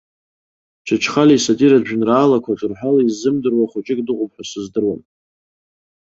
Чачхалиа исатиратә жәеинраалақәа ҿырҳәала иззымдыруа хәыҷык дыҟоуп ҳәа сыздырам.